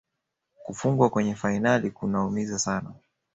Kufungwa kwenye fainali kunaumiza sana